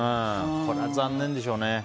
これは残念でしょうね。